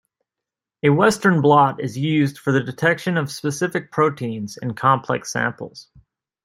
A Western blot is used for the detection of specific proteins in complex samples.